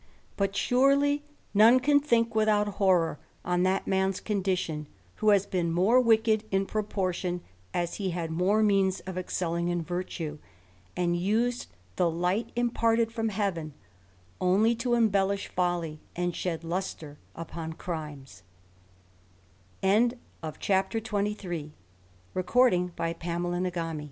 But, surely, none can think without hoiror on that man's condition, who has been more wicked in proportion as he had more means of excelling in virtue, and used the light imparted irom heaven only to embellish folly, and shed lustre upon crimes, ii6 THE RAMBLER. Tuesday, January 15, 1751. " Inindus^ irac